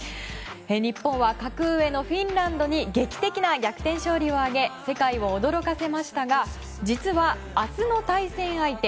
日本は格上のフィンランドに劇的な逆転勝利を挙げ世界を驚かせましたが実は、明日の対戦相手